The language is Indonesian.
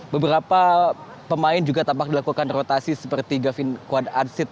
beberapa pemain juga tampak dilakukan rotasi seperti gavin kwan ansid